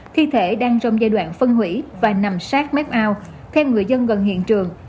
thi thể đang trong giai đoạn phân hủy và nằm sát mép ao thêm người dân gần hiện trường